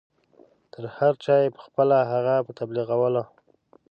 تر هر چا یې پخپله هغه په تبلیغولو.